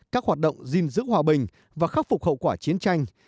các hoạt động gìn giữ hòa bình và khắc phục hậu quả chiến tranh